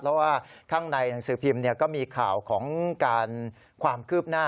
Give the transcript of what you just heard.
เพราะว่าข้างในหนังสือพิมพ์ก็มีข่าวของการความคืบหน้า